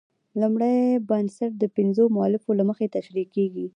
لومړی بنسټ د پنځو مولفو له مخې تشرېح کیږي.